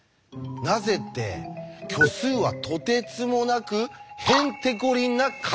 なぜって虚数はとてつもなくへんてこりんな数だからです。